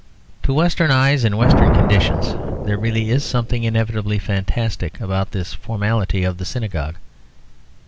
To Western eyes, in Western conditions, there really is something inevitably fantastic about this formality of the synagogue.